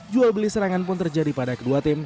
jual beli serangan pun terjadi pada kedua tim